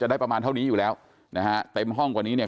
ได้ประมาณเท่านี้อยู่แล้วนะฮะเต็มห้องกว่านี้เนี่ย